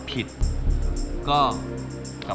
กิเลนพยองครับ